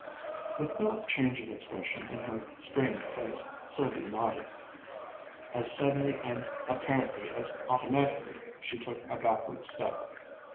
With no change of expression in her strained face, Sylvia nodded. As suddenly and apparently as automatically she took a backward step.